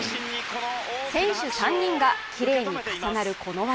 選手３人がきれいに重なるこの技。